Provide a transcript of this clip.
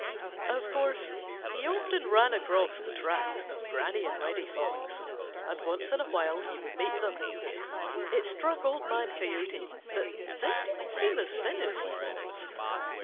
Of course he often ran across the tracks of Granny and Reddy Fox, and once in a while he would meet them. It struck Old Man Coyote that they didn't seem as thin as he was.